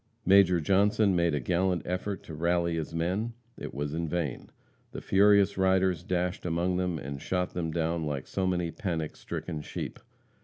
Major Johnson made gallant effort to rally his men. It was in vain. The furious riders dashed among them and shot them down like so many panic stricken sheep.